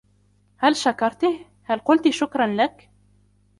هل شكرتِهِ, هل قلتِ شكراً لك ؟